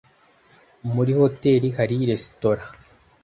muri hoteri hari resitora?